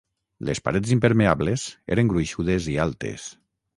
Les parets impermeables eren gruixudes i altes.